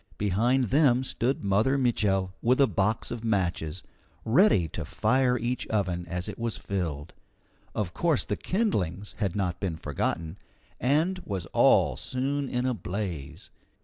Behind them stood Mother Mitchel with a box of matches, ready to fire each oven as it was filled. Of course the kindlings had not been forgotten, and was all soon in a blaze.